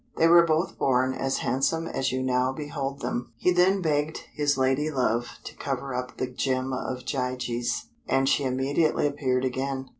They were both born as handsome as you now behold them." He then begged his lady love to cover up the Gem of Gyges, and she immediately appeared again.